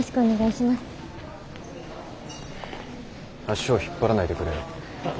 足を引っ張らないでくれよ。